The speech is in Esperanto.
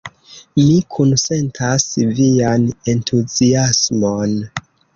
Mi kunsentas vian entuziasmon!